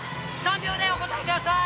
３秒でお答えください。